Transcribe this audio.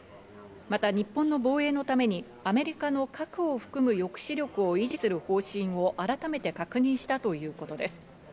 また日本の防衛のためにアメリカの核を含む抑止力を維持する方針を改めて確認したということです。